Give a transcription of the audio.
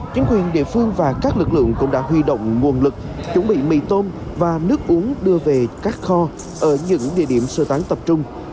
chính quyền địa phương và các lực lượng cũng đã huy động nguồn lực chuẩn bị mì tôm và nước uống đưa về các kho ở những địa điểm sơ tán tập trung